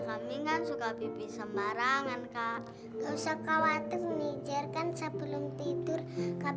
kambing kan suka pipis sembarangan kak